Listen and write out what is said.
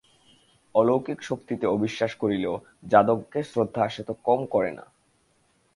অলৌকিক শক্তিতে অবিশ্বাস করিলেও যাদবকে শ্রদ্ধা সে তো কম করে না।